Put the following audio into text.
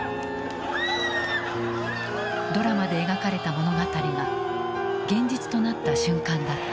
ドラマで描かれた物語が現実となった瞬間だった。